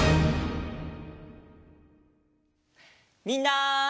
みんな。